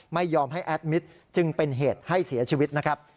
ไม่ยอมให้แอดมิตรจึงเป็นเหตุให้เสียชีวิตนะครับ